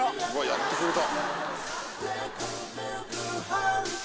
やってくれた。